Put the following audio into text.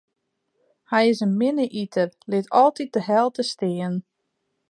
Hy is in minne iter, lit altyd de helte stean.